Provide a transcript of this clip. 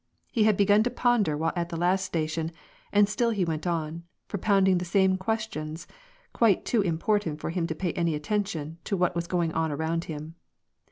He had begun to ponder while at the last station, and still he went on, propounding the same ques tions, quite too important for him to pay any attention to what was going on around him.